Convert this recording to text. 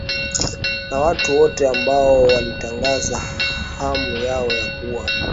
na watu wote ambao walitangaza hamu yao ya kuwa